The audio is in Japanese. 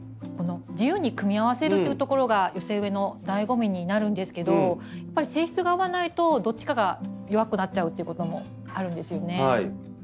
自由に組み合わせるというところが寄せ植えのだいご味になるんですけどやっぱり性質が合わないとどっちかが弱くなっちゃうってこともあるんですよね。